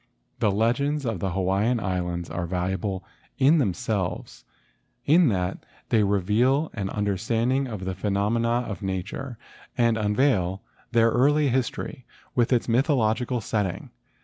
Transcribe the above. The legends of the Hawaiian Islands are valu¬ able in themselves, in that they reveal an under¬ standing of the phenomena of nature and unveil their early history with its mythological setting.